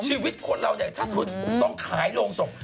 ชีวิตคนเราเนี่ยถ้าสมมุติต้องขายโรงศพ